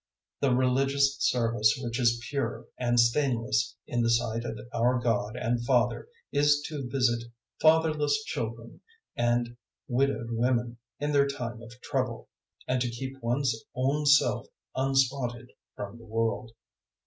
001:027 The religious service which is pure and stainless in the sight of our God and Father is to visit fatherless children and widowed women in their time of trouble, and to keep one's own self unspotted from the world.